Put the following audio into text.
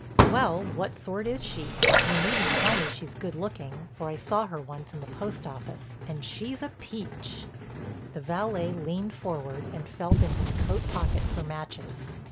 "Well, what sort is she? You needn't tell me she's good looking, for I saw her once in the post office and she's a peach." The valet leaned forward and felt in his coat pocket for matches.